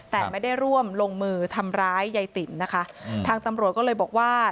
แต่ไม่ได้ร่วมลงมือทำร้ายยายติ๋มนะคะทางตำรวจก็เลยบอกว่า